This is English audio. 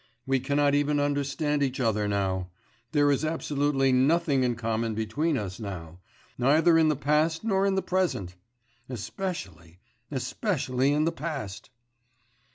We cannot even understand each other now; there is absolutely nothing in common between us now, neither in the past nor in the present! Especially ... especially in the past!